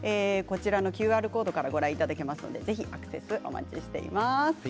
ＱＲコードからご覧いただけますのでぜひアクセスお待ちしています。